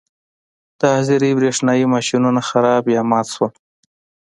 د حاضرۍ برېښنايي ماشینونه خراب یا مات شول.